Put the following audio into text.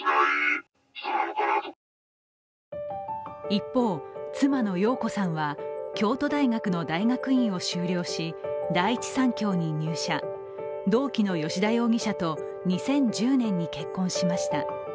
一方、妻の容子さんは京都大学の大学院を修了し第一三共に入社、同期の吉田容疑者と２０１０年に結婚しました。